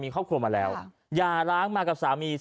เขาสวยน่ะ